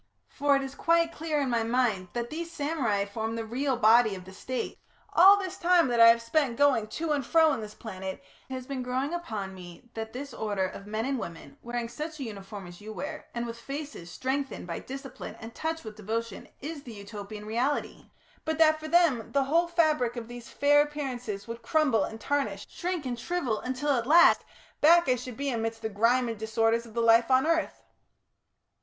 For it is quite clear, in my mind, that these samurai form the real body of the State. All this time that I have spent going to and fro in this planet, it has been growing upon me that this order of men and women, wearing such a uniform as you wear, and with faces strengthened by discipline and touched with devotion, is the Utopian reality; but that for them, the whole fabric of these fair appearances would crumble and tarnish, shrink and shrivel, until at last, back I should be amidst the grime and disorders of the life of earth.